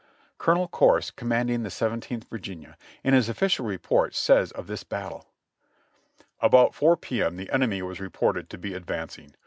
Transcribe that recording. Colonel Corse, commanding the Seventeenth Virginia, in his ofTficial report says of this battle : "About 4 P. M. the enemy was reported to be advancing.